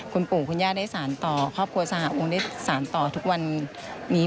คุณปู่คุณย่าได้สารต่อครอบครัวสหองค์ได้สารต่อทุกวันนี้